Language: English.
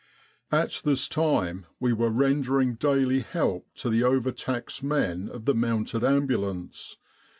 At this time we were rendering daily help to the overtaxed men of the Mounted Ambulance.